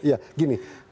karena temanya inklusif